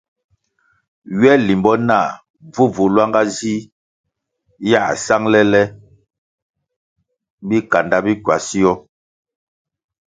Ywe limbo nah bvubvu lwanga zih yā sangʼle le bikanda bi kwasio.